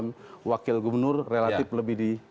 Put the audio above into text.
jika kita lihat ahok punya nama peman blonde